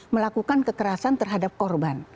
melakukan kekerasan terhadap korban